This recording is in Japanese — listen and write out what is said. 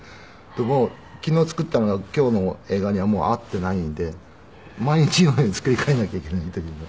もう昨日作ったのが今日の映画にはもう合っていないんで毎日のように作り変えなきゃいけないというね。